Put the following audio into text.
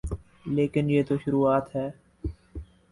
لیکن یہ تو شروعات ہے۔